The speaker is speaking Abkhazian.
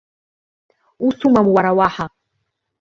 Ус умам уара уаҳа!